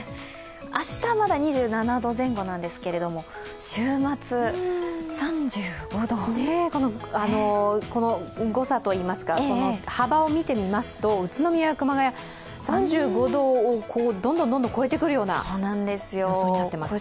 明日はまだ２７度前後なんですけど週末、３５度この誤差といいますか、この幅を見てみますと宇都宮、熊谷、３５度をどんどん超えてくるような様相になっています。